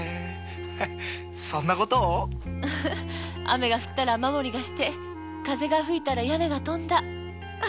雨が降ったら雨漏りがして風が吹いたら屋根が飛んだ。